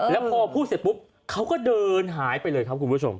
แล้วพอพูดเสร็จปุ๊บเขาก็เดินหายไปเลยครับคุณผู้ชม